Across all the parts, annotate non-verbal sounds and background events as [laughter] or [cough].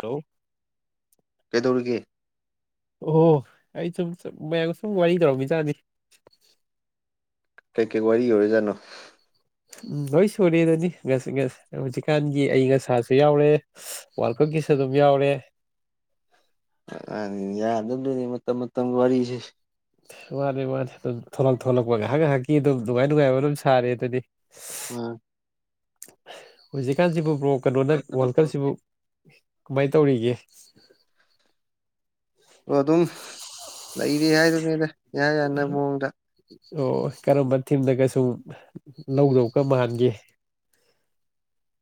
ꯀꯣ ꯑꯗꯨꯔꯒꯤꯦ ꯑꯣꯍꯣ ꯑꯩ ꯁꯨꯝ ꯃꯌꯥꯝ ꯁꯨꯝ ꯋꯥꯔꯤ ꯇꯧꯔꯛꯃꯤ ꯆꯥꯗꯤ ꯀꯩꯀꯩ ꯋꯥꯔꯤ ꯌꯔꯤꯖꯥꯠꯅꯣ ꯎꯝ ꯂꯣꯏ ꯁꯨꯔꯦ ꯑꯗꯨꯅꯤꯁꯤ ꯍꯧꯖꯤꯛꯀꯥꯟꯒꯤ ꯑꯩ ꯉꯁꯥꯁꯨ ꯌꯥꯎꯔꯦ ꯋꯥꯔꯜ ꯀꯞꯀꯤꯁꯨ ꯑꯗꯨꯝ ꯌꯥꯎꯔꯦ ꯑ ꯌꯥꯗ ꯑꯗꯨꯗꯣꯏꯅꯤ ꯃꯇꯝ ꯃꯇꯝꯒꯤ ꯋꯥꯔꯤꯁꯦ ꯋꯥꯅꯤ ꯃꯥꯅꯤ ꯑꯗꯨꯝ ꯊꯂꯛ ꯊ ꯊꯣꯛꯂꯛꯄ ꯉꯥꯏꯍꯥꯛ ꯉꯥꯏꯍꯥꯛꯀꯤ ꯑꯗꯨꯝ ꯅꯨꯡꯉꯥꯏ ꯅꯨꯡꯉꯥꯏꯕ ꯑꯗꯨꯝ ꯁꯥꯔꯦ ꯑꯗꯨꯗꯤ ꯎꯝ ꯍꯧꯖꯤꯛꯀꯥꯟꯁꯤꯕꯨ ꯄ꯭ꯔꯣ ꯀꯩꯅꯣꯅ ꯋꯥꯔꯜ ꯀꯞꯁꯤꯕꯨ ꯀꯃꯥꯏ ꯇꯧꯔꯤꯒꯦ ꯑꯣ ꯑꯗꯨꯝ ꯂꯩꯔ ꯍꯥꯏꯗꯨꯅꯦꯗ ꯑꯣ ꯀꯔꯣꯝꯕ ꯊꯝꯗ ꯀꯁ ꯁꯨꯝ ꯂꯧꯗꯧ ꯀ ꯃꯥꯟꯒꯦ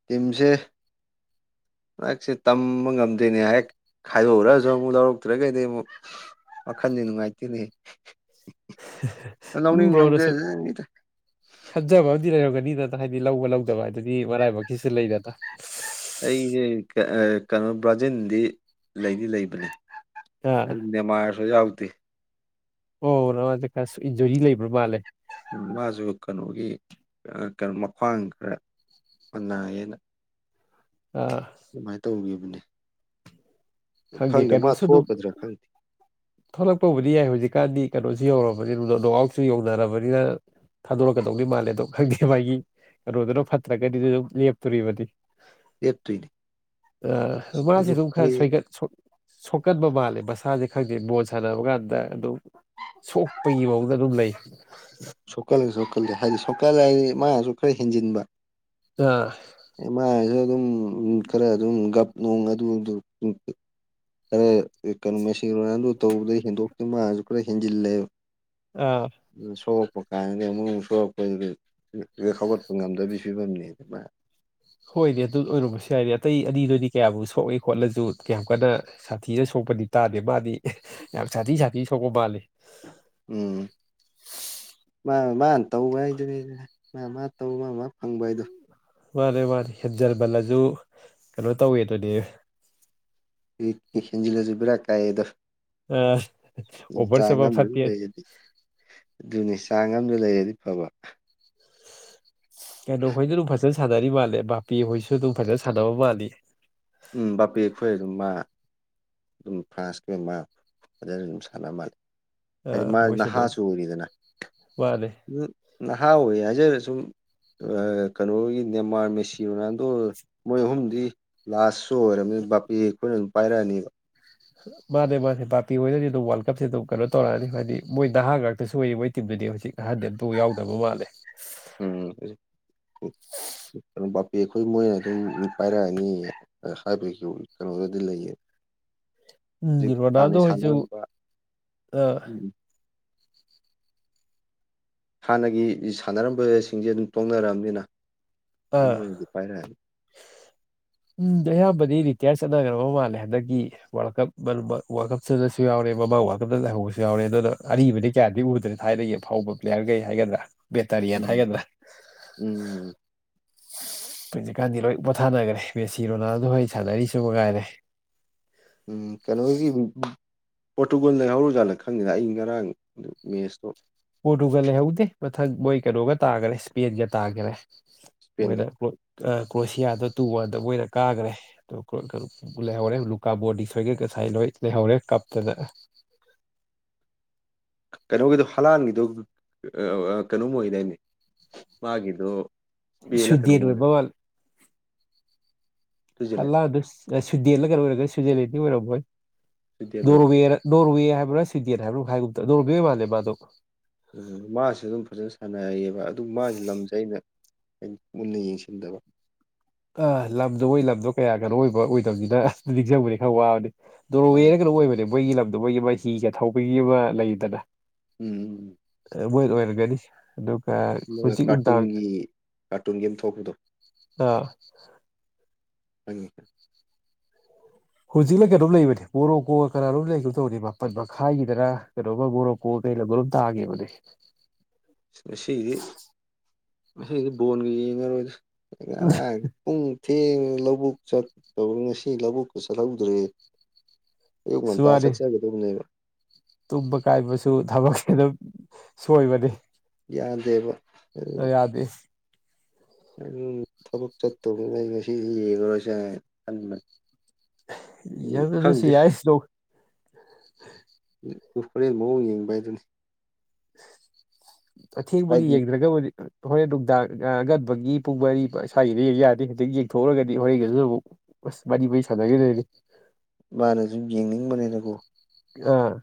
ꯇꯤꯟꯁꯦ [unintelligible] ꯍꯛꯁꯦ ꯇꯝꯕ ꯉꯝꯗꯣꯏꯅꯦ ꯍꯦꯛ ꯈꯥꯏꯗꯣꯛꯎꯔꯁꯨ ꯑꯃꯨꯛ ꯂꯧꯔꯛꯇ꯭ꯔꯒꯩꯗꯤ ꯑꯃꯨꯛ ꯃꯈꯈꯟꯅꯤꯅꯤꯡ ꯉꯥꯏꯇꯅꯤ ꯎ ꯂꯧꯅꯤꯡ ꯕ꯭ꯔꯣꯅꯁꯨ ꯂꯧꯖꯖꯅꯤꯗ ꯈꯥꯖ ꯑꯃꯗꯤ ꯔꯧꯒꯅꯤ ꯑꯅ ꯍꯥꯏꯗꯤ ꯂꯧꯕ ꯂꯧꯗꯕ ꯑꯗꯨꯗꯤ ꯃꯔꯥꯏꯕꯀꯤꯁꯨ ꯂꯩꯗꯅ ꯑꯩꯁꯦ ꯀꯩꯅꯣ ꯕ꯭ꯔꯥꯖꯤꯟꯗꯤ ꯂꯩꯗꯤ ꯂꯩꯕꯅꯦ ꯑꯥ ꯑꯗꯨꯅꯦ ꯃꯥꯔꯖꯥꯎꯇ ꯑꯣ ꯅꯗ ꯀ ꯏꯟꯖꯣꯔꯤ ꯂꯩꯕ꯭ꯔꯣ ꯃꯥꯜꯂꯦ ꯃꯥꯁꯨ ꯀꯩꯅꯣꯒꯤ ꯀꯩꯅꯣ ꯃꯈ꯭ꯋꯥꯡ ꯈꯔ ꯑꯣꯅꯥ ꯌꯦꯟ ꯑꯥ ꯀꯃꯥꯏꯅ ꯇꯧꯈꯤꯕꯅꯦ ꯈꯪꯗꯦ ꯃꯥ ꯀꯩꯅꯣꯁꯨ ꯑꯗꯨꯝ ꯊꯣꯛꯂꯛꯀꯗ꯭ꯔꯥ ꯈꯪꯗꯦ ꯊꯣꯛꯂꯛꯄꯕꯨꯗꯤ ꯌꯥꯏ ꯍꯧꯖꯤꯛꯀꯥꯟꯗꯤ ꯀꯩꯅꯣ ꯁꯤ ꯌꯧꯔꯕꯅꯤꯅ ꯅꯋꯥꯎꯁꯨ ꯌꯧꯅꯔꯕꯅꯤꯅ ꯊꯥꯗꯣꯔꯛꯀꯗꯧꯅꯤ ꯃꯥꯜꯂꯦ ꯑꯗꯣ ꯈꯪꯗꯦ ꯃꯥꯒꯤ ꯔꯣꯗꯔꯣ ꯐꯠꯇ꯭ꯔꯒꯗꯤ ꯑꯗꯨꯝ ꯂꯦꯞꯇꯣꯔꯤꯕꯗꯤ ꯂꯦꯞꯇꯣꯏꯅꯤ ꯑ ꯃꯥꯁꯦ ꯑꯗꯨ ꯑꯗꯨꯝ ꯈꯔ ꯍꯌꯦꯡ ꯁꯣꯏꯒꯠ ꯁꯣꯛꯀꯟꯕ ꯃꯥꯜꯂꯦ ꯃꯁꯥꯁꯦ ꯈꯪꯗꯦ ꯕꯣꯜ ꯁꯥꯟꯅꯕ ꯀꯥꯟꯗ ꯑꯗꯨꯝ ꯁꯣꯛꯄꯒꯤ ꯃꯍꯡꯗ ꯑꯗꯨꯝ ꯂꯩ ꯁꯣꯛꯀꯜꯂ ꯁꯣꯛꯀꯜꯂꯦ ꯍꯥꯏꯗꯤ ꯁꯣꯀꯜꯂ ꯍꯥꯏꯗꯤ ꯃꯥꯅꯁꯨ ꯈꯔ ꯍꯦꯟꯖꯤꯟꯕ ꯑꯥ ꯃꯥꯏꯁꯨ ꯑꯗꯨꯝ ꯈꯔꯥ ꯗꯨꯝ ꯒꯥꯞ ꯅꯣꯡ ꯑꯗꯨ ꯑꯗꯨ ꯈꯔ ꯀꯩꯅ ꯃꯔꯣ ꯑꯗꯨ ꯇꯧꯕꯗ ꯍꯦꯟꯗꯣꯛꯇꯦ ꯃꯥꯁꯨ ꯈꯔ ꯍꯦꯟꯖꯤꯜꯂꯦꯕ ꯑꯥ ꯁꯣꯛꯄ ꯀꯥꯏꯗꯩ ꯑꯃꯨꯛ ꯁꯛꯄ ꯍꯧꯒꯠꯄ ꯉꯝꯗꯕꯤꯁꯨ ꯐꯤꯕꯝꯅꯤ ꯑꯗꯨ ꯃꯥ ꯍꯣꯏꯅꯦ ꯑꯗꯨ ꯑꯣꯏꯔꯝꯕꯁꯨ ꯌꯥꯏꯅꯦ ꯑꯇꯩ ꯑꯅꯤꯗꯨꯗꯤ ꯀꯌꯥꯕꯨ ꯁꯣꯛꯏꯦ ꯈꯣꯠꯂꯁꯨ ꯀꯌꯥꯝ ꯀꯟꯅ ꯁꯥꯊꯤꯅ ꯁꯣꯛ ꯄꯗꯤ ꯇꯥꯗꯦ ꯃꯥꯗꯤ ꯌꯥꯝ ꯁꯥꯊꯤ ꯁꯥꯊꯤꯅꯥ ꯁꯣꯛꯄ ꯃꯥꯜꯂꯦ ꯎꯝ ꯃꯥ ꯃꯥꯅ ꯇꯧꯕ ꯍꯥꯏꯗꯨꯅꯦ ꯃꯥ ꯃꯥ ꯇꯧꯕ ꯃꯥ ꯃꯥ ꯐꯪꯕ ꯍꯥꯏꯗꯣ ꯃꯥꯅꯤ ꯃꯥꯅꯤ ꯍꯦꯟꯖꯟꯃꯜꯂꯁꯨ ꯀꯩꯅꯣ ꯇꯧꯋꯦꯗꯨꯅꯦ ꯍꯦꯟꯖꯤꯜꯂꯁꯨ ꯕꯤꯔꯥ ꯀꯥꯏꯌꯦ ꯗꯣ ꯑꯥ ꯎ ꯑꯣꯚꯔ ꯆꯥꯡ ꯆꯠꯄ ꯑꯝꯗ ꯐꯠꯇꯦ ꯗꯨꯝ ꯂꯩꯔꯗꯤ ꯑꯗꯨꯅꯤ ꯆꯥꯡ ꯑꯝꯗ ꯂꯩꯔꯗꯤ ꯐꯕ ꯀꯩꯅꯣ ꯍꯣꯏꯗꯣ ꯑꯗꯨꯝ ꯐꯖꯅ ꯁꯥꯟꯅꯔꯤ ꯃꯥꯜꯂꯦ ꯚꯕꯥꯄꯤ ꯍꯣꯏꯁꯨ ꯑꯗꯨꯝ ꯐꯖꯅ ꯁꯥꯟꯅꯕ ꯃꯥꯜꯂꯤ ꯎꯝ ꯕꯥꯄꯦ ꯈꯣꯏ ꯑꯗꯨꯝ ꯃꯥ ꯑꯗꯨꯝ ꯐ꯭ꯔꯥꯟꯁꯀꯤ ꯃꯥ ꯐꯖꯅ ꯑꯗꯨꯝ ꯁꯥꯟꯅꯕ ꯃꯥꯜꯂꯤ ꯑꯥꯏ ꯗꯤ ꯑꯥ ꯃꯥ ꯃꯣꯏꯁꯨ ꯑꯗꯨꯝ ꯅꯍꯥꯁꯨ ꯑꯣꯏꯔꯤꯗꯅ ꯃꯥꯅꯦ ꯎ ꯅꯍꯥ ꯑꯣꯏ ꯍꯥꯏꯖꯔ꯭ꯁꯨ ꯁꯨꯝ ꯀꯅꯣꯒꯤ ꯅꯦꯃꯥꯔ ꯃꯦꯁꯤ ꯔꯣꯅꯥꯜꯗꯣ ꯃꯣꯏ ꯑꯍꯨꯝꯗꯤ ꯂꯥꯁꯨ ꯑꯣꯏꯔꯝꯃꯤꯅꯥ ꯕꯥꯄꯦ ꯈꯣꯏꯅ ꯑꯗꯨꯝ ꯄꯥꯏꯔꯛꯑꯅꯤꯕ ꯃꯥꯅꯦ ꯃꯥꯅꯦ ꯕꯥꯥꯄꯦ ꯍꯣꯏꯅꯗꯤ ꯑꯗꯨꯝ ꯋꯥꯔꯜ ꯀꯞꯁꯦ ꯑꯗꯨꯝ ꯀꯩꯅꯣ ꯇꯧꯔꯛꯑꯅꯤ ꯍꯥꯏꯗꯤ ꯃꯣꯏ ꯅꯍꯥ ꯉꯥꯛꯇꯁꯨ ꯑꯣꯏ ꯃꯣꯏ ꯇꯤꯝꯗꯨꯗꯤ ꯍꯧꯖꯤꯛ ꯑꯍꯟ ꯗꯤ ꯑꯝꯇꯕꯨ ꯌꯥꯎꯗꯕ ꯃꯥꯜꯂꯦ ꯎꯝ ꯕꯥꯄꯦ ꯑꯩꯈꯣꯏ ꯃꯣꯏꯅ ꯑꯗꯨꯝ ꯄꯥꯏꯔꯛꯑꯅꯤ ꯍꯥꯏꯕꯩꯁꯨ ꯀꯩꯅꯣꯗꯗꯤ ꯂꯩꯌꯦ ꯎꯝ ꯍꯧꯖꯤꯛ ꯔꯣꯅꯥꯜꯗꯣ ꯍꯥꯟꯅꯩ ꯍꯣꯏꯁꯨ ꯁꯥꯟꯅꯔꯝꯕ ꯑꯥ ꯎꯝ ꯍꯥꯟꯅꯒꯤ ꯁꯥꯟꯅꯔꯝꯕꯁꯤꯡꯁꯦ ꯑꯗꯨꯝ ꯇꯣꯡꯅꯔꯛꯑꯝꯅꯤꯅ ꯑꯥ ꯎꯝ ꯑꯌꯝꯕꯗꯤ ꯇꯤꯌꯥꯔ ꯆꯠꯅꯈ꯭ꯔꯕ ꯃꯥꯜꯂꯦ ꯍꯟꯗꯛꯀꯤ ꯋꯥꯔꯜ ꯀꯞ ꯋꯥꯔꯜ ꯀꯞ ꯆꯠꯅꯁꯨ ꯌꯥꯎꯔꯦ ꯃꯃꯥꯡ ꯋꯥꯔꯜ ꯀꯞꯇ ꯂ ꯂꯩꯍꯧꯕꯁꯨ ꯌꯥꯎꯔꯦ ꯑꯗꯨꯅ ꯑꯔꯤꯕꯗꯤ ꯀꯌꯥꯗꯤ ꯎꯗ꯭ꯔꯦ ꯊꯥꯏꯅꯒꯤ ꯑꯐꯥꯎꯕ ꯄ꯭ꯂꯦꯌꯥꯔꯒꯩ ꯍꯥꯏꯒꯗ꯭ꯔꯥ ꯕꯦꯇꯔꯤꯌꯥꯟ ꯎꯝ ꯍꯥꯏꯒꯥꯗ꯭ꯔ ꯎꯝ [unintelligible] ꯍꯧꯖꯤꯛꯀꯥꯟꯗꯤ ꯂꯣꯏ ꯄꯣꯊꯥꯅꯈ꯭ꯔꯦ ꯃꯦꯁꯤ ꯔꯣꯅꯥꯜ ꯗꯣ ꯍꯣꯏ ꯁꯥꯟꯅꯔꯤꯁꯤ ꯃ ꯉꯥꯏꯔꯦ ꯎꯝ ꯀꯩꯅꯣ ꯍꯣꯏꯒꯤ ꯄꯣꯔꯇꯨꯒꯜꯅ ꯂꯩꯍꯧꯔꯥ ꯖꯥꯠꯂꯥ ꯈꯪꯗꯦꯗꯥ ꯑꯩ ꯉꯔꯥꯡ ꯃꯦꯁꯇꯣ ꯄꯣꯔꯇꯨꯒꯜ ꯂꯩꯍꯧꯗꯦ ꯃꯊꯪ ꯃꯣꯏ ꯀꯩꯅꯣꯒ ꯇꯥꯈꯔꯦ ꯏꯁꯄꯦꯟꯒ ꯇꯥꯈꯔꯦ ꯏꯁꯄꯦꯟꯒ ꯃꯣꯏꯅꯑꯀꯣꯏ ꯀ꯭ꯔꯣꯁꯤꯌꯥꯗꯣ ꯇꯨ ꯋꯥꯟꯗ ꯃꯣꯏꯅ ꯀꯥꯈ꯭ꯔꯦ ꯑꯣ ꯂꯩꯍꯧꯔꯦ ꯂꯨꯀꯥꯕꯣꯔꯗꯤ ꯁꯣꯏꯒ ꯃꯣꯏ ꯂꯣꯏ ꯂꯩꯍꯧꯔꯦ ꯀꯞꯇꯅ ꯀꯩꯅꯣꯒꯤꯗꯣ ꯍꯂꯥꯟꯒꯤꯗꯣ ꯀꯩꯅꯣꯝꯃ ꯑꯣꯏꯒꯤ ꯗꯥꯏꯅꯦ ꯃꯥꯒꯤꯗꯣ ꯏꯁꯄꯦꯟꯂ ꯀꯩꯅꯣꯝ ꯁꯨꯗꯦꯟ ꯑꯣꯏꯕꯅꯦ ꯑꯣꯏꯕ ꯃꯥꯜꯂꯤ ꯁ꯭ꯋꯤꯖꯔꯂꯦꯟ ꯍꯜꯂꯥꯑꯗ ꯁ꯭ꯋꯤꯗꯦꯟꯗ ꯀꯔ ꯑꯣꯏꯔꯒꯣꯏ ꯁ꯭ꯋꯤꯖꯔꯂꯦꯟꯒꯤ ꯑꯣꯏꯔꯝꯃꯣꯏ ꯁ꯭ꯋꯤꯗꯦꯟ ꯑꯣꯏꯕ ꯅꯣꯔꯋꯦ ꯅꯣꯔꯋꯦ ꯍꯥꯏꯕ꯭ꯔꯥ ꯁꯋꯗꯦꯟ ꯍꯥꯏꯕ꯭ꯔꯥ ꯍꯥꯏꯒꯨꯝ ꯇꯧꯕꯅꯦ ꯅꯣꯔꯋꯦ ꯑꯣꯏ ꯃꯥꯜꯂꯦ ꯃꯥꯗꯣ ꯎꯝ ꯃꯥꯁꯨ ꯑꯗꯨꯝ ꯐꯖꯅ ꯁꯥꯟꯅꯩꯌꯦꯕ ꯑꯗꯨ ꯃꯥꯁꯦ ꯂꯝꯁꯦ ꯑꯩꯅ ꯑꯩꯅꯥ ꯃꯨꯟꯅꯥ ꯌꯦꯡꯁꯤꯟꯗꯕ ꯑ ꯂꯝꯗꯣ ꯃꯣꯏ ꯂꯝꯗꯣ ꯀꯌꯥ ꯀꯩꯅꯣ ꯑꯣꯏꯕ ꯑꯣꯏꯗꯕꯅꯤꯅ ꯑꯁ ꯅꯤꯡꯁꯤꯡꯕꯗꯤ ꯈꯔ ꯋꯥꯕꯅꯦ ꯅꯣꯔꯋꯦꯔ ꯃꯥꯅ ꯔꯥ ꯀꯩꯅꯣꯝ ꯑꯣꯏꯕꯅꯦ ꯃꯣꯏꯒꯤ ꯂꯝꯗꯣ ꯃꯣꯏꯒꯤ ꯃꯥꯏꯊꯤꯒ ꯊꯧꯕꯒꯤ ꯑꯃ ꯂꯩꯗꯅ ꯎꯝ ꯃꯣꯏ ꯑꯣꯏꯔꯝꯒꯅꯤ ꯑꯗꯨꯒ ꯎꯝ ꯍꯨꯖꯤꯛ ꯅꯨꯡꯗꯥꯡ ꯀꯥꯔꯇꯨꯟꯒꯤ ꯀꯥꯔꯇꯨꯟ ꯒꯦꯝ ꯊꯣꯛꯄꯗꯣ ꯑ ꯊ [unintelligible] ꯍꯧꯖꯤꯛꯅ ꯀꯩꯅꯣꯝ ꯂꯩꯕꯅꯦ ꯃꯕꯣꯔꯣꯛꯀꯣꯛ ꯀꯅꯥꯅꯣꯝ ꯂꯩꯕꯥꯒꯤꯝ ꯇꯧꯕꯅꯦ ꯃꯥꯄꯜ ꯃꯈꯥꯏꯒꯤꯗꯅ ꯀꯩꯅꯣꯒ ꯃꯕꯣꯔꯣꯛꯀꯣꯛ ꯀꯩ ꯂꯝꯒ ꯅꯣꯝ ꯇꯥꯒꯤꯕꯅꯤ ꯉꯁꯤꯗꯤ ꯉꯁꯤꯗꯤ ꯕꯣꯟꯒ ꯌꯦꯡꯉꯔꯣꯏꯗ ꯉꯔꯥꯡ ꯄꯨꯡ ꯊꯦꯡꯅ ꯂꯧꯕꯨꯛ ꯆꯠꯇꯧ ꯉꯁꯤ ꯂꯧꯕꯨꯛꯇ ꯆꯠꯍꯧꯗ꯭ꯔꯦ ꯑꯌꯨꯛ ꯑꯁ ꯉꯟꯇ ꯋꯥꯅꯤ ꯆꯠꯆꯒꯗꯝꯅꯦꯕ ꯇꯨꯝꯕ ꯀꯥꯏꯕꯁꯨ ꯊꯕꯛꯁꯦ ꯑꯗꯨꯝ ꯁꯣꯏꯕꯅꯤ ꯌꯥꯗꯦꯕ ꯌꯥꯗꯦ ꯊꯕꯛ ꯆꯠꯇꯧꯕ ꯉꯁꯤꯗꯤ ꯌꯦꯡꯒꯔꯣꯏꯁꯦ ꯍꯥꯏꯌꯦ ꯎꯝ ꯌꯥꯝ ꯑꯗꯨꯁꯨ ꯈꯪꯗꯦ ꯌꯥꯏ ꯎ ꯑꯗꯨ ꯍꯣꯔꯦꯟ ꯃꯑꯣꯡ ꯌꯦꯡꯕ ꯍꯥꯏꯗꯨꯅꯤ ꯑꯊꯦꯡꯕꯒꯤ ꯍꯥꯏꯗꯤ ꯌꯦꯗ꯭ꯔꯒꯥꯕꯨꯗꯤ ꯍꯣꯔꯦꯟ ꯅꯨꯡꯗꯥꯡ ꯑꯉꯟꯕꯒꯤ ꯄꯨꯡ ꯃꯥꯔꯤ ꯏꯁ꯭ꯋꯥꯒꯤꯗ ꯌꯥꯗꯦ ꯍꯧꯖꯤꯛ ꯌꯦꯡꯊꯣꯛꯎꯨꯔꯒꯗꯤ ꯍꯣꯔꯦꯟꯒꯁꯨ ꯑꯃꯨꯛ ꯁ ꯃꯥꯔꯤ ꯃꯔꯤ ꯁꯅꯒꯤꯗꯣꯏꯅꯦ ꯃꯥꯅ ꯁꯨꯝ ꯌꯦꯡꯅꯤꯡꯕꯅꯤꯅꯀꯣ ꯑ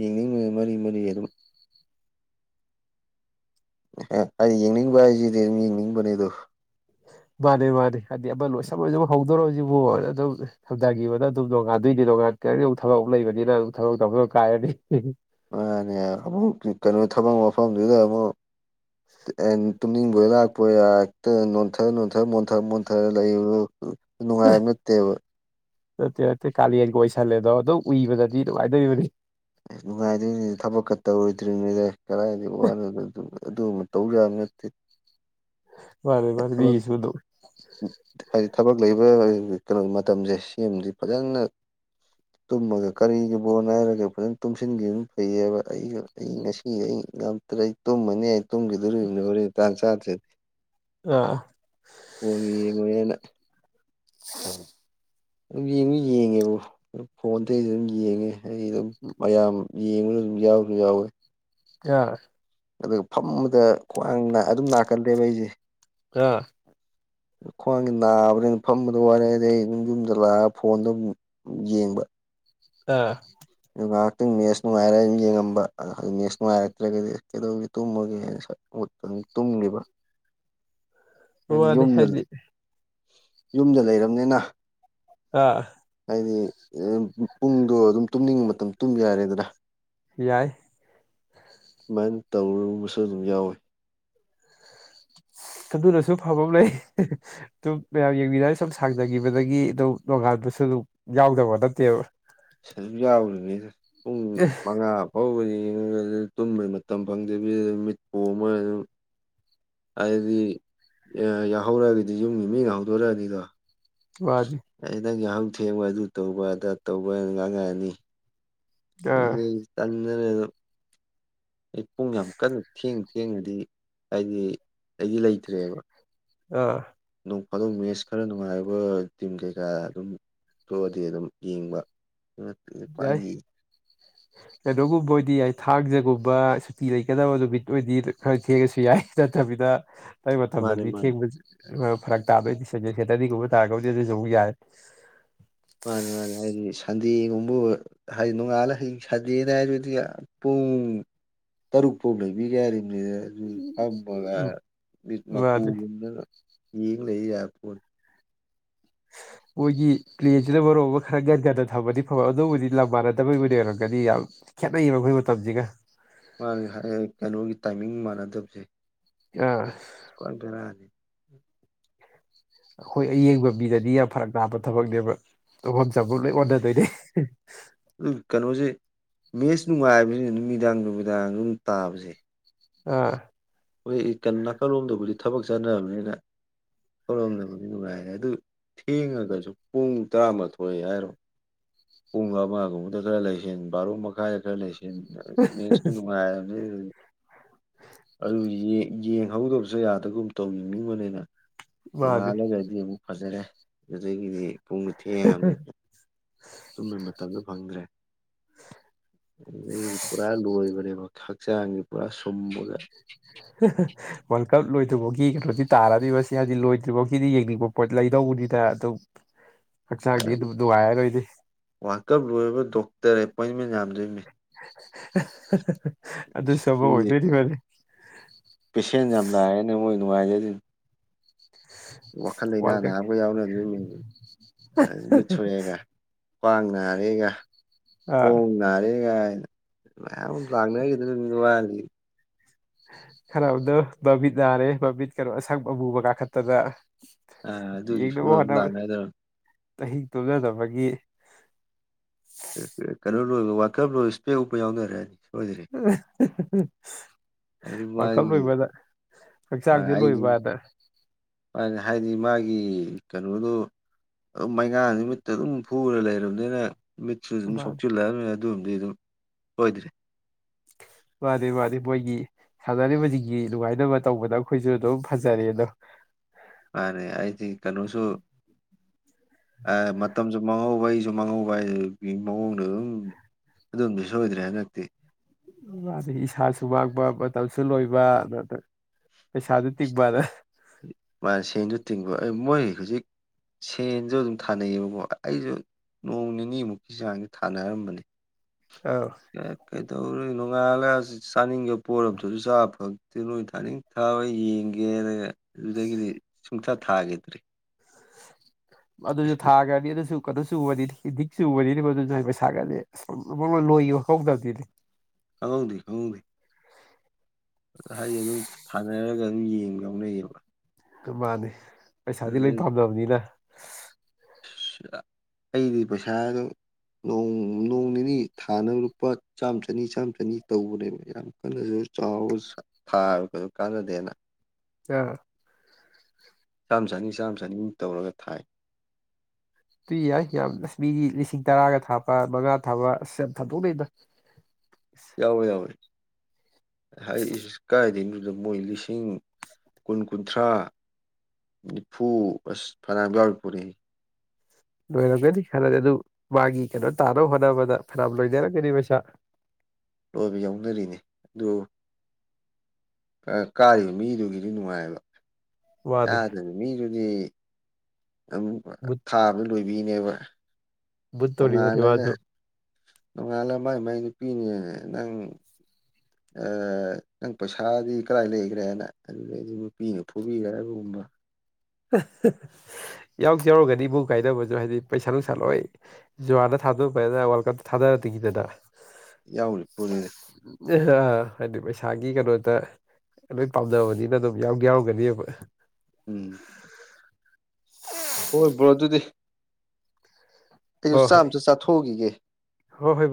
ꯌꯦꯡꯅꯤꯡꯂꯥꯗꯤ ꯃꯔꯤ ꯃꯔꯤ ꯑꯗꯨꯝ ꯑꯩꯗꯤ ꯌꯦꯡꯅꯤꯡꯕ ꯍꯥꯏꯁꯤꯗꯤ ꯑꯗꯨꯝ ꯌꯦꯡꯅꯤꯡꯕꯅꯦ ꯑꯗꯨ ꯃꯥꯅꯦ ꯃꯥꯅꯦ ꯍꯥꯏꯗꯤ ꯑꯃ ꯂꯣꯏꯁꯝ ꯂꯣꯏꯁꯝ ꯍꯧꯗꯣꯔꯣꯁꯤꯕꯨ ꯑꯗꯨꯝ ꯁꯝꯊꯈꯤꯕꯗ ꯑꯗꯨꯝ ꯅꯣꯡꯉꯥꯟꯗꯣꯏ ꯗ ꯉꯥꯏ ꯊꯕꯛ ꯑꯃꯨ ꯂꯩꯕꯅꯤꯅ ꯊꯕꯛ ꯇꯧꯗ ꯀꯥꯏꯔꯅꯤ ꯃꯥꯅꯦ ꯑꯃꯨꯛ ꯀꯩꯅꯣ ꯊꯕꯛ ꯃꯐꯝꯗꯨꯗ ꯑꯃꯨꯛ ꯇꯨꯝꯅꯤꯡꯕ ꯂꯥꯛꯄꯣꯏ ꯌꯥ ꯍꯦꯛꯇ ꯅꯣꯟꯊꯔ ꯅꯣꯟꯊ ꯃꯣꯟꯊꯔ ꯃꯣꯟꯊꯔ ꯂꯩꯔꯨ ꯅꯨꯡꯉꯥꯏꯕ ꯅꯠꯇꯦꯕ ꯅꯠꯇꯇꯩ ꯀꯥꯂꯦꯟꯒ ꯑꯣꯏꯁꯜꯂꯦꯗꯣ ꯑꯗꯨꯣ ꯎꯏꯕꯗꯗꯤ ꯅꯨꯡꯉꯥꯏꯗꯣꯏꯔꯤꯕꯅꯤ ꯑꯁ ꯅꯨꯡꯉꯥꯏꯗ꯭ꯣꯏꯅꯤꯗꯤ ꯊꯕꯛꯀ ꯇꯧꯔꯣꯏꯗ꯭ꯔꯤꯉꯩꯗ ꯀꯗꯥꯏꯗ ꯋꯥꯅꯣꯗꯣ ꯑꯗꯨ ꯃꯇꯧ ꯌꯥꯕꯥ ꯅꯠꯇꯦ ꯃꯥꯅꯤ ꯃꯥꯅꯤ ꯊꯕꯛ ꯃꯤꯒꯤꯁꯨ ꯑꯗꯨꯝ ꯍꯥꯏꯗꯤ ꯊꯕꯛ ꯂꯩꯕ ꯀꯩꯅꯣ ꯃꯇꯝꯁꯦ ꯁꯤꯃꯥꯗꯤ ꯐꯖꯅ ꯇꯨꯝꯃꯒ ꯀꯔꯤꯒꯤ ꯕꯣꯜ ꯍꯥꯏꯔꯒ ꯐꯖꯅ ꯇꯨꯝꯁꯤꯟꯈꯤꯕꯅ ꯐꯩꯌꯦꯕ ꯑꯩ ꯑꯩ ꯉꯁꯤ ꯑꯩ ꯉꯝꯇ꯭ꯔꯦ ꯑꯩ ꯇꯨꯝꯃꯅꯤ ꯑꯩ ꯇꯨꯝꯒꯤꯗꯣꯔꯤꯕꯅꯤ ꯍꯣꯔꯦꯟ ꯆꯥꯛ ꯆꯥꯗꯔꯤ ꯊ ꯑꯥ ꯌꯦꯡꯉꯣꯏꯅ ꯎ ꯑꯗꯨꯝ ꯌꯦꯡꯗꯤ ꯌꯦꯡꯉꯦꯕꯨ ꯐꯣꯟꯗꯁꯨ ꯑꯗꯨꯝ ꯌꯦꯡꯉꯦ ꯑꯩ ꯑꯗꯨꯝ ꯃꯌꯥꯝ ꯌꯦꯡꯕꯅ ꯑꯗꯨꯝ ꯌꯥꯎꯗꯤ ꯌꯥꯎꯋꯦ ꯑꯥ ꯑꯗꯨꯒ ꯐꯝꯕꯗ ꯈ꯭ꯋꯥꯡꯅ ꯑꯗꯨꯝ ꯂꯅꯥꯀꯂꯦꯕ ꯑꯩꯁꯦ ꯑꯥ ꯈ꯭ꯋꯥꯡꯒꯤ ꯅꯥꯕ꯭ꯔꯦꯅ ꯐꯝꯕꯗ ꯋꯥꯔꯦ ꯑꯗꯩ ꯑꯩ ꯌꯨꯝ ꯌꯨꯝꯗ ꯂꯥꯛꯑꯒ ꯐꯣꯟꯗ ꯑꯗꯨꯝ ꯌꯦꯡꯕ ꯑꯥ ꯑꯗꯨ ꯉꯥꯏꯍꯥꯛꯇꯪ ꯃꯦꯠꯁ ꯅꯨꯡꯉꯥꯏꯔꯒ ꯑꯗꯨ ꯌꯦꯡꯉꯝꯕ ꯃꯦꯠꯁ ꯅꯨꯡꯉꯥꯏꯔꯛꯇ꯭ꯔꯒꯗꯤ ꯀꯩꯗꯧꯒꯦ ꯇꯨꯝꯃꯒꯦꯅ ꯇꯨꯡꯒꯤꯕꯥ ꯑꯣꯗ ꯍꯥꯏꯗꯤ ꯌꯨꯝꯗ ꯂꯩꯔꯕꯅꯤꯅ ꯑꯥ ꯍꯥꯏꯗꯤ ꯄꯨꯡꯗꯣ ꯑꯗꯨꯝ ꯇꯨꯝꯅꯤꯡꯕ ꯃꯇꯝ ꯇꯨꯝ ꯌꯥꯔꯦꯗꯅ ꯌꯥꯏ ꯑꯗꯨꯨꯃꯥꯏꯅ ꯇꯧꯔꯨꯕꯁꯨ ꯑꯗꯨꯝ ꯌꯥꯎꯋꯤ ꯑꯗꯨꯅꯁꯨ ꯐꯕꯥ ꯑꯃ ꯂꯩ ꯑꯗꯨꯝ ꯃꯌꯥꯝ ꯌꯦꯡꯕꯤꯔ ꯁꯨꯝ ꯁꯥꯡꯗꯥꯈꯤꯕꯗꯒꯤ ꯑꯗꯨꯝ ꯅꯣꯡꯉꯥꯟ ꯑꯗꯨꯁꯨ ꯑꯗꯨ ꯌꯥꯎꯗꯕ ꯅꯠꯇꯦꯕ ꯁꯔꯨꯛ ꯌꯥꯎꯗꯅꯤ ꯄꯨꯡ ꯃꯉꯥ ꯐꯥꯎꯕꯅꯤ ꯌꯦꯉꯥ ꯇꯨꯝꯕ ꯃꯇꯝ ꯐꯪꯗꯦ ꯃꯤꯠ ꯄꯣꯝꯃꯥ ꯑꯗꯨꯝ ꯍꯥꯏꯗꯤ ꯌꯥꯍꯧꯔꯛꯑꯒꯗꯤ ꯌꯨꯝꯒꯤ ꯃꯤ ꯅꯥ ꯍꯧꯗꯣꯔꯛꯑꯅꯤꯗꯣ ꯃꯥꯅꯤ ꯑ ꯅꯪꯒꯤ ꯌꯥꯍꯧ ꯊꯦꯡꯕ ꯑꯗꯨ ꯇꯧꯕꯗ ꯇꯧꯕꯅ ꯉꯥꯡꯉꯥꯛꯑꯅꯤ ꯑ ꯑꯥ ꯑꯗꯩ ꯇꯟꯗꯅ ꯑꯗꯨꯝ ꯑꯩ ꯄꯨꯡ ꯌꯥꯝ ꯀꯟꯅ ꯊꯦꯡ ꯊꯦꯡꯅꯥꯗꯤ ꯍꯥꯏꯗꯤ ꯑꯩꯗꯤ ꯂꯩꯇ꯭ꯔꯦꯕ ꯑ ꯊꯥꯗꯣꯛ ꯐꯥꯗꯣꯛ ꯃꯦꯠꯁ ꯈꯔ ꯅꯨꯡꯉꯥꯏꯔꯕ ꯇꯤꯝ ꯀꯩꯀꯥ ꯑꯗꯨꯝ ꯊꯣꯛꯑꯗꯤ ꯑꯗꯨꯝ ꯌꯦꯡꯕ ꯌꯥꯏ ꯄꯥꯏ ꯀꯩꯅꯣꯒꯨꯝꯕ ꯑꯣꯏꯗꯤ ꯌꯥꯏ ꯊꯥꯡꯖꯒꯨꯝꯕ ꯁꯨꯇꯤ ꯂꯩꯒꯗꯕ ꯅꯨꯃꯤꯠ ꯑꯣꯏꯗꯤ ꯈꯔ ꯊꯦꯡꯉꯁꯨ ꯌꯥꯏ ꯅꯠꯇꯕꯤꯗ ꯂꯩ ꯃꯥꯅꯦ ꯃꯇꯝꯗꯗꯤ ꯃꯥꯅꯦ ꯊꯦꯡꯕ ꯐꯔꯛ ꯇꯥꯕꯩ ꯁ ꯊꯦꯇꯔꯗꯤꯒꯨꯝꯕ ꯇꯥꯔꯒꯕꯨꯗꯤ ꯑꯗꯨꯁꯨꯧꯕ ꯌꯥꯏ ꯃꯥꯅꯤ ꯃꯥꯅꯦ ꯍꯥꯏꯗꯤ ꯁꯟꯗꯦꯒꯨꯝꯕ ꯍꯥꯏꯗꯤ ꯅꯣꯡꯉꯥꯜꯂ ꯁꯟꯗꯦꯅ ꯍꯥꯏꯔꯗꯤ [unintelligible] ꯇꯔꯨꯛ ꯐꯥꯎ ꯂꯩꯕꯤꯒꯦ ꯌꯥꯔꯤꯕꯅꯤꯗ ꯑꯗꯨ ꯐꯝꯃꯒ ꯎꯝ ꯃꯤꯠ ꯃꯥꯅꯤ ꯃꯀꯨꯒꯨꯝꯅ ꯌꯦꯡ ꯂꯩ ꯌꯥ ꯄꯣꯠ [unintelligible] ꯃꯣꯏꯒꯤ ꯄ꯭ꯂꯦꯟꯁꯤꯅ ꯃꯔꯨꯞ ꯑꯃ ꯈꯔ ꯒꯟꯒꯟꯅ ꯊꯝꯃꯗꯤ ꯐꯕ ꯑꯗꯨꯕꯨꯗꯤ ꯂꯝ ꯃꯥꯟꯅꯗꯕꯒꯤ ꯑꯣꯏꯅ ꯑꯣꯏꯧꯔꯝꯒꯅꯤ ꯌꯥꯝ ꯈꯦꯠꯅꯩꯌꯦꯕ ꯑꯩꯈꯣꯏ ꯃꯇꯝꯁꯤꯒ ꯃꯥꯅꯤ ꯍꯥꯏꯔ ꯀꯩꯅꯣꯒꯤ ꯇꯥꯏꯃꯤꯡ ꯃꯥꯟꯅꯗꯕꯁꯦ ꯑ ꯀꯣꯟ ꯔꯅꯤ ꯑꯩꯈꯣꯏ ꯑꯌꯦꯡꯕ ꯃꯤꯗꯗꯤ ꯌꯥꯝ ꯐꯔꯛ ꯅꯥꯞꯄ ꯊꯕꯛꯅꯦꯕ ꯍ ꯆꯕꯨ ꯂꯩ ꯃꯗ ꯇꯅꯦ ꯑꯗꯨ ꯀꯩꯅꯣꯁꯦ ꯃꯦꯠꯁ ꯅꯨꯡꯉꯥꯏꯕꯕꯁꯤꯅ ꯅꯨꯃꯤꯗꯥꯡ ꯅꯨꯃꯤꯗꯥꯡ ꯑꯗꯨꯝ ꯇꯥꯕꯁꯦ ꯑꯥ ꯍꯣꯏ ꯅꯥꯀꯜꯂꯣꯝꯗꯕꯨꯗꯤ ꯊꯕꯛ ꯆꯠꯅꯔꯕꯅꯤꯅ ꯊꯧꯔꯝꯗꯕꯒꯤ ꯅꯨꯡꯉꯥꯏꯔꯦ ꯑꯗꯨ ꯊꯦꯡꯉꯒꯁꯨ ꯄꯨꯡ ꯇꯔꯥꯃꯥꯊꯣꯏ ꯍꯥꯏꯔꯣ ꯄꯨꯡ ꯑꯃꯒꯨꯝꯕꯗ ꯈꯔ ꯂꯩꯁꯟ ꯕꯥꯔꯣ ꯃꯈꯥꯏꯗ ꯈꯔ ꯂꯩꯁ ꯁ ꯪꯍꯧꯗꯕꯁꯨ ꯌꯥꯗꯒꯨꯝ ꯇꯧ ꯌꯦꯅꯤꯡꯕꯅꯤꯅ ꯃꯥꯅꯤ ꯅꯣꯡꯉꯥꯜꯂꯒꯗꯤ ꯑꯃꯨꯛ ꯐꯖꯔꯦ ꯑꯗꯨꯗꯒꯤꯗꯤ ꯄꯨꯡꯗ ꯊꯦꯡꯉꯉꯝꯅꯤ ꯇꯨꯝꯕ ꯃꯇꯝꯗ ꯐꯪꯗ꯭ꯔꯦ ꯎ ꯁ ꯄꯨꯔꯥ ꯂꯣꯏꯕꯅꯦꯕ ꯍꯛꯆꯥꯡꯁ ꯄꯨꯔꯥ ꯁꯨꯝꯃꯒ ꯋꯥꯔꯜ ꯀꯞ ꯂꯣꯏꯗ꯭ꯔꯤꯐꯥꯎꯒꯤ ꯀꯩꯅꯣꯗꯤ ꯇꯥꯔꯣꯏꯕ ꯁꯤ ꯍꯧꯖꯤ ꯂꯣꯏꯗ꯭ꯔꯤꯐꯥꯎꯒꯤꯗꯤ ꯌꯦꯡꯅꯤꯡꯕ ꯄꯣꯠ ꯂꯩ ꯀꯩꯗꯧꯕꯅꯤꯗ ꯑꯗꯨꯝ ꯍꯛꯆꯥꯡꯒꯤ ꯑꯗꯨꯝ ꯅꯨꯡꯉꯥꯏꯔꯔꯣꯏꯗꯤ ꯇꯔ ꯑꯦꯄꯣꯏꯟꯃꯦꯟ ꯌꯥꯝꯗꯣꯏꯅꯦ ꯑꯗꯨ ꯁꯕ ꯁꯤꯗꯤ ꯑꯣꯏꯗꯣꯏꯅꯤ ꯃꯥꯅꯤ ꯄꯦꯁꯦꯟ ꯌꯥꯝ ꯂꯥꯏꯔꯦꯅꯦ ꯃꯣꯏ ꯅꯨꯡꯉꯥꯏꯖꯗꯣꯏꯅꯤ ꯋꯥꯈꯜ ꯂꯩꯥꯏꯅꯥ ꯋꯥꯔꯜ ꯅꯥ ꯀꯞꯀꯤ ꯑꯃꯒ ꯌꯥꯎꯅ ꯑꯗꯨ ꯑꯗꯨꯝꯡ ꯃꯤꯠꯊꯨꯔꯦꯒ ꯈ꯭ꯋꯥꯡ ꯅꯥꯔꯦꯒ ꯑꯥ ꯈꯣꯡ ꯅꯥꯔꯦꯒ ꯂꯥꯛꯅꯈꯤꯗꯉ ꯈꯔꯕꯨꯗꯣ ꯕꯕꯤꯠ ꯅꯥꯔꯦ ꯕꯕꯤꯠ ꯀꯩꯅꯣ ꯑꯁꯪ ꯑꯃꯨꯕ ꯀꯥꯈꯠꯇꯗ ꯑ ꯑꯗꯨꯒꯤꯁꯨꯝ ꯂꯥꯛꯅꯗꯧꯕ ꯆꯍꯤꯛ ꯇꯨꯝꯖꯗꯕꯒꯤ ꯀꯩꯅ ꯋꯥꯊ ꯅ ꯏꯁꯄꯦ ꯌꯥꯅꯔꯦꯅꯤ [unintelligible] ꯑꯗꯨ ꯄꯈꯛ ꯃꯥꯒꯤ ꯂꯣꯏꯕꯗ ꯍꯛꯆꯥꯡꯁ ꯑꯩꯗꯤ ꯂꯣꯏꯕꯗ ꯍꯥꯏꯗꯤ ꯃꯥꯒꯤ ꯀꯩꯅꯣꯗꯣ ꯑꯗꯨꯝ ꯃꯩꯉꯥ ꯅꯨꯃꯤꯠꯇ ꯑꯗꯨꯝ ꯐꯨꯔ ꯂꯩꯔꯕꯅꯤꯅ ꯃꯤꯠꯁꯨ ꯑꯗꯨꯝ ꯃꯥꯅꯤ ꯁꯣꯛꯆꯤꯜꯂꯛꯑꯕꯅꯤꯅ ꯑꯗꯨꯕꯗꯤ ꯑꯗꯨꯝ ꯑꯣꯏꯗ꯭ꯔꯦ ꯋꯥꯗꯤꯦ ꯋꯥꯗꯤꯦ ꯄꯣꯏꯒꯤ ꯁꯥꯟꯅꯔꯤꯕꯁꯤꯡꯒꯤ ꯅꯨꯡꯉꯥꯏꯅꯕ ꯇꯧꯕꯗ ꯑꯩꯈꯣꯏꯁꯨ ꯑꯗꯨꯝ ꯐꯖꯔꯦ ꯑꯗꯣ ꯃꯥꯅꯦ ꯑꯩꯗꯤ ꯀꯩꯅꯣꯁꯨ ꯑꯦ ꯃꯇꯝꯁꯨ ꯃꯥꯡꯍꯧꯕ ꯑꯩꯁꯨ ꯃꯥꯡꯍꯧꯕ ꯍꯥꯏ ꯃꯑꯣꯡꯗꯣ ꯑꯗꯨꯝ ꯑꯗꯨꯣꯝꯗꯤ ꯁꯣꯏꯗ꯭ꯔꯦ ꯍꯟꯗꯛꯇꯤ ꯃꯥ ꯏꯁꯥꯁꯨ ꯃꯥꯡꯕ ꯃꯇꯝꯁꯨ ꯂꯣꯏꯕ ꯑꯗꯨ ꯁꯥꯗ ꯇꯤꯛꯕꯔ ꯃꯥꯅ ꯁꯦꯟꯁꯨ ꯇꯤꯡꯕ ꯃꯣꯏ ꯍꯧꯖꯤꯛ ꯁꯦꯟꯁꯨ ꯑꯗꯨꯝ ꯊꯥꯅꯩꯌꯦꯕꯛ ꯑꯩꯁꯨ ꯅꯣꯡ ꯅꯤꯅꯤꯃꯨꯛꯀꯤ ꯆꯥꯡꯗꯤ ꯊꯥꯅꯔꯝꯕꯅꯤ ꯑꯧ ꯀ ꯀꯩꯗꯧ ꯅ ꯅꯣꯏ ꯅꯣꯡꯉꯥꯜꯂꯒ ꯆꯥꯅꯤꯡꯒꯦꯕ ꯄꯣꯠꯝꯇꯁꯨ ꯆꯥꯕ ꯐꯛꯇꯦ ꯅꯣꯏ ꯊꯥꯅꯤꯡ ꯊꯥꯕ ꯌꯦꯡꯒꯦ ꯑꯗꯨꯗꯒꯤꯗꯤ ꯁꯨꯡꯊꯥ ꯊꯥꯒꯦꯗ꯭ꯔꯤ ꯑꯗꯨꯁꯨ ꯊꯥꯈ꯭ꯔꯅꯤ ꯑꯗꯨꯁꯨ ꯀꯩꯅꯣꯁꯨ ꯎꯕꯗꯤ ꯤꯛꯁꯨ ꯎꯕꯅꯤꯅꯦ ꯃ ꯑꯗꯨꯁꯨ ꯄꯩꯁꯥꯒꯠꯗꯤ ꯂꯣꯏ ꯍꯧꯗꯕꯗꯤꯗꯤ ꯈꯥꯎꯗꯤ ꯈꯎꯗꯤ ꯍꯥꯏꯗꯤ ꯑꯗꯨꯝ ꯊꯥꯅꯔꯒ ꯑꯗꯨꯝ ꯌꯦꯡꯕ ꯌꯥꯎꯅꯩꯌꯦꯕ ꯑꯗꯨ ꯃꯥꯅꯤ ꯄꯩꯁꯥꯗꯤ ꯂꯣꯏ ꯑꯗꯨꯗꯩ ꯄꯥꯝꯗꯅꯕꯅꯤꯅ ꯑꯩꯗꯤ ꯄꯩꯁꯥꯗ ꯅꯣꯡ ꯅꯤꯅꯤ ꯊꯥꯅꯕ ꯂꯨꯄꯥ ꯆꯥꯝꯃ ꯆꯅꯤ ꯆꯥꯝꯃ ꯆꯅꯤ ꯇꯧꯕꯅꯦꯕ ꯌꯥꯝ ꯀꯟꯅꯁꯨ ꯆꯥꯎ ꯊꯥꯔ ꯀꯩꯁꯨ ꯀꯥꯟꯅꯗꯦꯅ ꯑꯥ ꯆꯥꯝꯃ ꯆꯅꯤ ꯆꯥꯝꯃ ꯆꯅꯤꯃꯨꯛ ꯇꯧꯔꯒ ꯊꯥꯏ ꯇꯨꯏ ꯌꯥꯏ ꯌꯥꯝ ꯂꯁꯃꯤ ꯂꯤꯁꯤꯡ ꯇꯔꯥꯒ ꯊꯥꯕ ꯃꯉꯥ ꯊꯥꯕ ꯑꯁ ꯌꯥꯝ ꯊꯟꯗꯣꯛꯅꯩꯅ ꯌꯥꯎꯋꯣꯏ ꯌꯥꯎꯋꯏ ꯍꯥꯏ ꯀꯥꯏꯗꯗꯨꯗ ꯃꯣꯏ ꯂꯤꯁꯤꯡ ꯀꯨꯟ ꯀꯨꯟꯊ꯭ꯔꯥ ꯅꯤꯐꯨ ꯑꯁ ꯐꯅꯌꯥꯝ ꯌꯥꯎꯔ ꯄꯨꯔꯤ ꯂꯣꯏꯔꯝꯒꯅꯤ ꯈꯜꯂꯦ ꯑꯗꯨ ꯃꯥꯒꯤ ꯀꯩꯅꯣ ꯇꯥꯅꯕ ꯍꯣꯠꯅꯕꯗ ꯐꯅꯌꯥꯝ ꯂꯣꯏꯅꯔꯝꯒꯅꯤ ꯄꯩꯁꯥ [inaudible] ꯂꯣꯏꯕ ꯌꯥꯎꯅꯔꯤꯅꯦ ꯑꯗꯨ ꯀꯥꯔꯤꯕ ꯃꯤꯗꯨꯒꯤꯗꯤ ꯅꯨꯡꯉꯥꯏꯑꯕ ꯃꯥꯅꯤ ꯌꯥꯥꯗꯕ ꯃꯤꯗꯨꯗꯤ ꯑꯗꯨꯝ ꯃꯨꯠ ꯊꯥ ꯑꯃ ꯂꯣꯏꯕꯤꯅꯦꯕ ꯃꯨꯠꯇꯧꯔꯤꯕꯅꯤ ꯅꯣꯡꯉꯥꯜꯂꯒꯦ ꯃꯥꯁꯨ ꯅꯣꯡꯉꯥꯜꯂ ꯃꯥꯏ ꯃꯥꯏ ꯅꯨꯄꯤꯅꯦ ꯅꯪ ꯅꯪ ꯄꯩꯁꯥꯗꯤ ꯀꯗꯥꯏ ꯂꯩꯈ꯭ꯔꯦꯅ ꯑꯗꯨꯗꯩ ꯑꯩꯗꯤ ꯅꯨꯄꯤꯅ ꯐꯨꯕꯤꯈ꯭ꯔꯦ ꯍꯥꯏꯕꯨꯝꯕ ꯝꯕ ꯌꯥꯎ ꯌꯥꯎꯔꯒꯅꯤ ꯏꯕꯨ ꯀꯥꯏꯗꯧꯕꯁꯨ ꯍꯥꯏꯗꯤ ꯄꯩꯁꯥ ꯅꯨꯡꯁꯥ ꯂꯣꯏ ꯖꯨꯋꯥꯗ ꯊ ꯄꯥꯏ ꯋꯥꯔ ꯀꯞ ꯊꯗꯔꯦ ꯀꯗꯅ ꯌꯥꯎꯔꯤ ꯄꯨꯔꯤꯗ ꯍꯥꯏꯗꯤ ꯄꯩꯁꯥꯒꯤ ꯀꯩꯅꯣꯗ ꯂꯣꯏ ꯄꯥꯝꯖꯕꯅꯤꯅ ꯑꯗꯨꯝ ꯌꯥꯎ ꯌꯥꯎꯔꯒꯅꯤꯕ [inaudible] ꯍꯣꯏꯕ꯭ꯔꯣ ꯑꯗꯨꯗꯤ ꯍꯣꯏ ꯑꯩꯁꯨ ꯍꯣꯏ ꯆꯥꯝꯇ ꯆꯥꯊꯣꯛꯎꯈꯤꯒꯦ ꯍꯣꯏ ꯍꯣꯏ